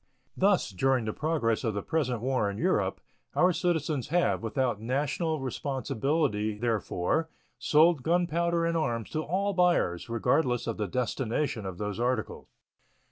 Thus, during the progress of the present war in Europe, our citizens have, without national responsibility therefor, sold gunpowder and arms to all buyers, regardless of the destination of those articles.